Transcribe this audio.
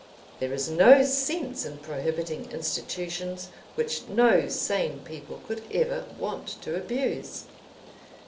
There is no sense in prohibiting institutions which no sane people could ever want to abuse.